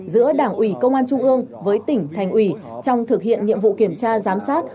giữa đảng ủy công an trung ương với tỉnh thành ủy trong thực hiện nhiệm vụ kiểm tra giám sát